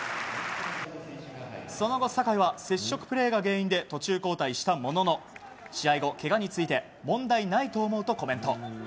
その後、酒井は接触プレーが原因で途中交代したものの試合後、けがについて問題ないと思うとコメント。